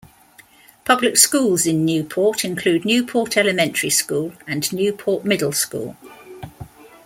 Public schools in Newport include Newport Elementary School and Newport Middle School.